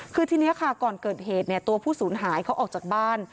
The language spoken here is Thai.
คือทีนี้ค่ะก่อนเกิดเหตุตัวผู้สูญหายเขาออกจากบ้าน